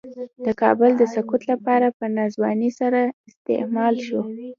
د کابل د سقوط لپاره په ناځوانۍ سره استعمال شو.